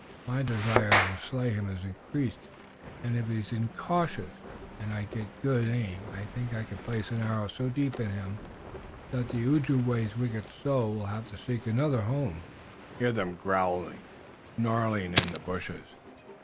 My desire to slay him has increased, and if he's incautious and I get good aim I think I can place an arrow so deep in him that the Ojibway's wicked soul will have to seek another home." "Hear them growling and snarling in the bushes.